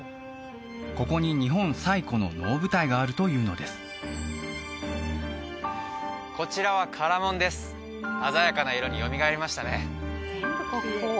ここに日本最古の能舞台があるというのですこちらは唐門です鮮やかな色によみがえりましたね